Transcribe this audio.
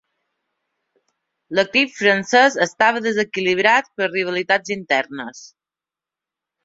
L'equip francès estava desequilibrat per rivalitats internes.